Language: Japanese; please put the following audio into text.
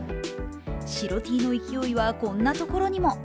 白Ｔの勢いはこんなところにも。